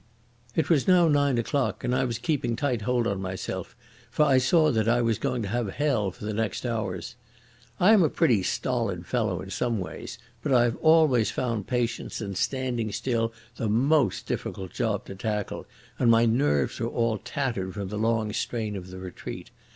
It was now nine o'clock, and I was keeping tight hold on myself, for I saw that I was going to have hell for the next hours. I am a pretty stolid fellow in some ways, but I have always found patience and standing still the most difficult job to tackle, and my nerves were all tattered from the long strain of the retreat.